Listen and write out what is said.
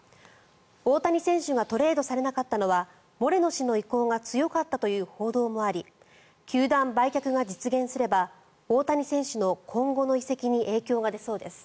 大谷選手がトレードされなかったのはモレノ氏の意向が強かったという報道もあり球団売却が実現すれば大谷選手の今後の移籍に影響が出そうです。